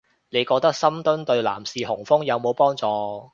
你覺得深蹲對男士雄風有冇幫助